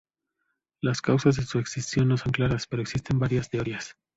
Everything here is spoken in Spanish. Las causas de su extinción no son claras, pero existen varias teorías.